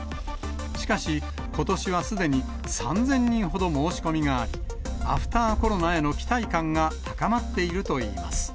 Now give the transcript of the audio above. しかし、ことしはすでに３０００人ほど申し込みがあり、アフターコロナへの期待感が高まっているといいます。